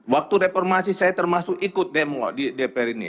waktu reformasi saya termasuk ikut demo di dpr ini